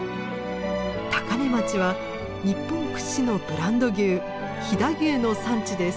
高根町は日本屈指のブランド牛飛騨牛の産地です。